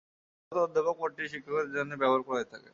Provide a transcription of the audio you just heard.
সাধারণত অধ্যাপক পদটি শিক্ষকদের জন্যই ব্যবহার করা হয়ে থাকে।